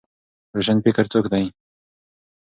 روشنفکر څوک دی؟